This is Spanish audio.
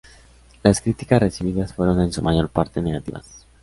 Las críticas recibidas fueron en su mayor parte negativas.